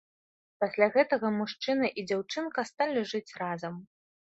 Пасля гэтага мужчына і дзяўчынка сталі жыць разам.